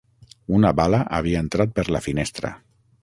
Una bala havia entrat per la finestra